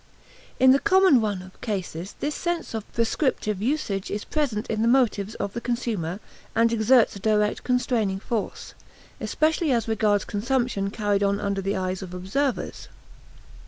In the common run of cases this sense of prescriptive usage is present in the motives of the consumer and exerts a direct constraining force, especially as regards consumption carried on under the eyes of observers.